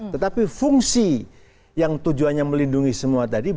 tetapi fungsi yang tujuannya melindungi semua tadi